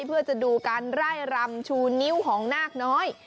เพื่อจะดูการไล่รำชูนิ้วของนาคน้อย